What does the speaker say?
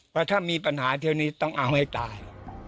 เพราะถ้ามีปัญหาเที่ยวนี้ต้องเอาให้ตาย